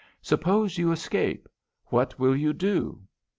Suppose you escape, what will you do'?"